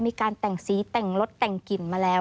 มีการแต่งสีแต่งรสแต่งกลิ่นมาแล้ว